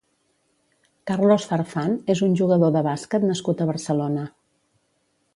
Carlos Farfán és un jugador de bàsquet nascut a Barcelona.